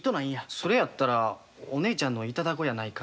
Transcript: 「それやったらお姉ちゃんの頂こうやないか」